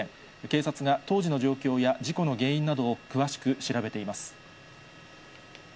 警察が当時の状況や事故の原因などを詳しく調べています。